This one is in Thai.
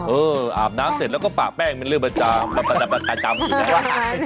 อาบน้ำเสร็จแล้วก็ปากแป้งเป็นเรื่องประจำอยู่นะ